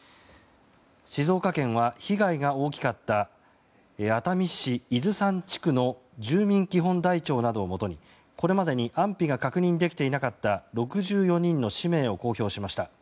静岡県は被害が大きかった熱海市伊豆山地区の住民基本台帳などをもとにこれまでに安否が確認できていなかった６４人の氏名を公表しました。